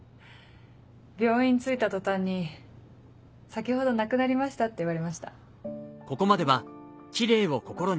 病院着いた途端に「先ほど亡くなりました」って言われました。